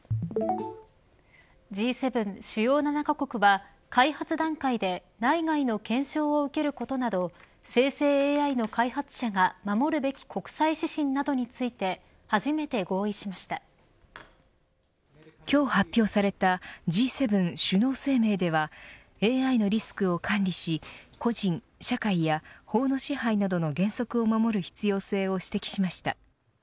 Ｇ７＝主要７カ国は開発段階で内外の検証を受けることなど生成ＡＩでの開発者が守るべき国際指針などについて今日発表されたＧ７首脳声明ではＡＩのリスクを管理し個人、社会や法の支配などの原則を守る必要性を指摘しました。